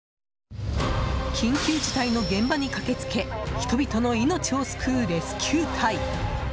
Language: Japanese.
緊急事態の現場に駆けつけ人々の命を救うレスキュー隊。